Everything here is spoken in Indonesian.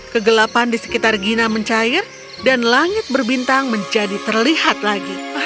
kegelapan di sekitar gina mencair dan langit berbintang menjadi terlihat lagi